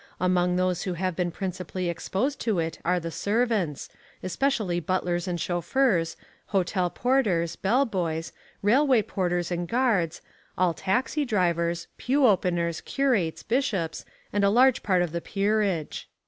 Among those who have been principally exposed to it are the servants, especially butlers and chauffeurs, hotel porters, bell boys, railway porters and guards, all taxi drivers, pew openers, curates, bishops, and a large part of the peerage.